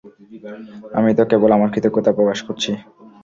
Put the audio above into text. আমি তো কেবল আমার কৃতজ্ঞতা প্রকাশ করছি।